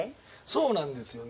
そうなんですよね。